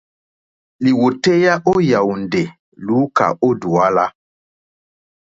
Lìwòtéyá ó yàwùndè lùúkà ó dùálá.